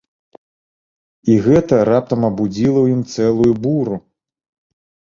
І гэта раптам абудзіла ў ім цэлую буру.